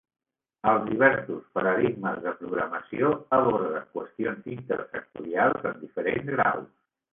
Els diversos paradigmes de programació aborden qüestions intersectorials en diferents graus.